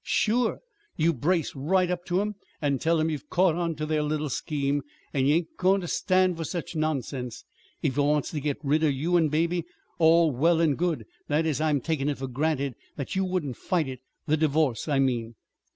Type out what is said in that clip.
"Sure! You brace right up to 'em, an' tell 'em you've caught on ter their little scheme, and you ain't goin' ter stand for no such nonsense. If he wants ter git rid of you an' the baby, all well an' good. That is, I'm takin' it for granted that you wouldn't fight it the divorce, I mean."